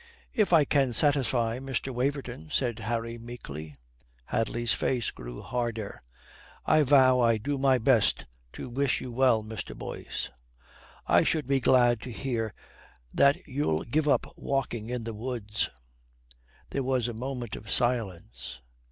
"If I can satisfy Mr. Waverton," said Harry meekly. Hadley's face grew harder. "I vow I do my best to wish you well, Mr. Boyce. I should be glad to hear that you'll give up walking in the woods." There was a moment of silence.